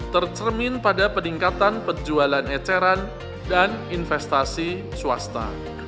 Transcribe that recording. tercermin pada peningkatan penjualan eceran dan investasi swasta